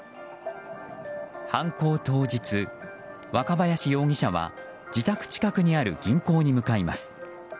犯行当日、若林容疑者は自宅近くにある銀行に向かいます。